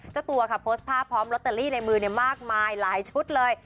เจ้าตัวค่ะโพสต์ภาพพร้อมลอตเตอรี่ในมือมากมายหลายชุดเลย